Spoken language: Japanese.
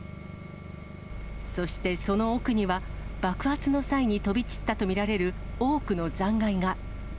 そしてその奥には、爆発の際に飛び散ったと見られる多くの残骸が。